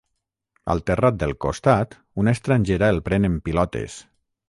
Al terrat del costat una estrangera el pren en pilotes.